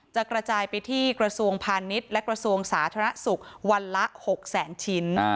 จะกระจายไปที่กระทรวงพาณนิตและกระทรวงศาสณะศุกร์วันละ๖๐๐๐๐๐ชิ้น